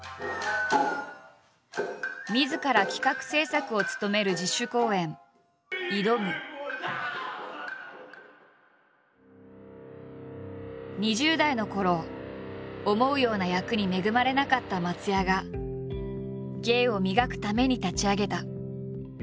みずから企画・制作を務める２０代のころ思うような役に恵まれなかった松也が芸を磨くために立ち上げた。